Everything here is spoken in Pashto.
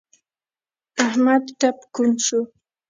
احمد ټپ کوڼ شو.